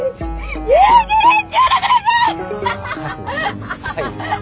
うるさいな。